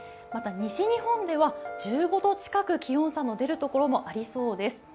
また西日本では１５度近く、気温差の出る所もありそうです。